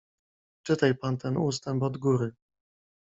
"Czytaj pan ten ustęp od góry!"